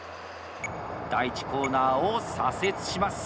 第１コーナーを左折します。